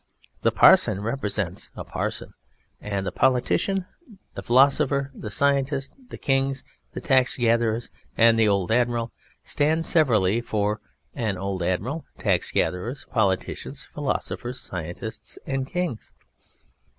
The_ PARSON represents a PARSON, and the POLITICIAN, the PHILOSOPHER, the SCIENTIST, the KINGS, the TAX GATHERERS and the OLD ADMIRAL, stand severally for an OLD ADMIRAL, TAX GATHERERS, POLITICIANS, PHILOSOPHERS, SCIENTISTS and KINGS.